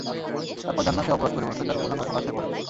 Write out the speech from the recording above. তারপর জান্নাতে অপরাধ করে বসলে তার গোপনাঙ্গ প্রকাশ হয়ে পড়ে।